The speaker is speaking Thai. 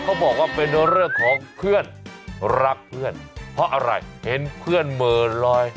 เขาบอกว่าเป็นเรื่องของเพื่อนรักเพื่อนเพราะอะไรเห็นเพื่อนเหม่อลอย